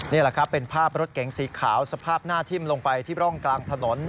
นี่แหละครับเป็นภาพรถเก๋งสีขาวสภาพหน้าทิ่มลงไปที่ร่องกลางถนน